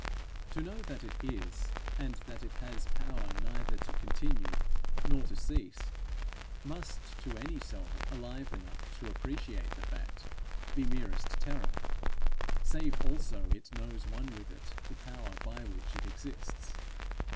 To know that it is, and that it has power neither to continue nor to cease, must to any soul alive enough to appreciate the fact, be merest terror, save also it knows one with it the Power by which it exists.